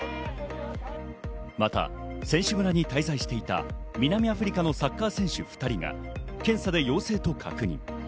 また選手村に滞在していた南アフリカのサッカー選手２人が検査で陽性と確認。